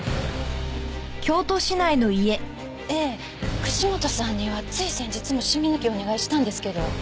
ええ串本さんにはつい先日もシミ抜きお願いしたんですけど。